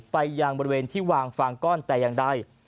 ไปยังบริเวณที่วางฟางก้อนแต่อย่างใด